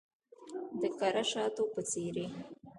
د کره شاتو په څیرې